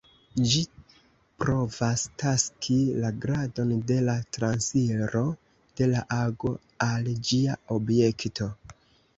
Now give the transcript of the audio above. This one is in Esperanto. Ĝi provas taksi la gradon de la transiro de la ago al ĝia objekto.